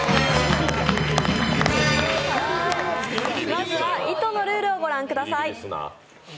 まずは「ｉｔｏ」のルールをご覧ください。